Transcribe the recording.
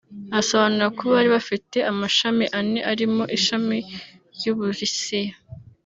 asobanura ko bari bafite amashami ane arimo Ishami ry’u Burusiya